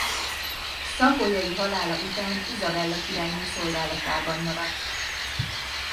Szapolyai halála után Izabella királyné szolgálatában maradt.